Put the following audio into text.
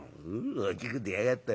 「大きく出やがって。